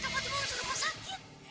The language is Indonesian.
kak fatima masih lupa sakit